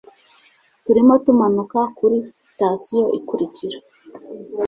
Turimo tumanuka kuri sitasiyo ikurikira.